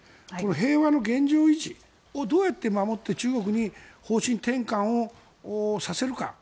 平和の現状維持をどうやって守って中国に方針転換をさせるか。